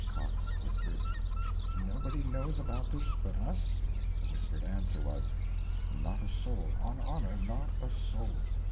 Cox whispered: "Nobody knows about this but us?" The whispered answer was: "Not a soul on honour, not a soul!"